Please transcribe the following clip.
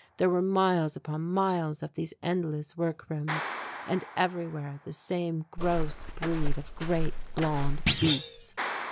There were miles upon miles of these endless workrooms and everywhere the same gross breed of great blond beasts.